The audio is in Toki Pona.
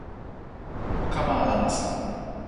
o kama ala nasa.